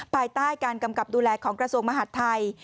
ภายใต้การกำกับดูแลของกระทรวงมหาดไทย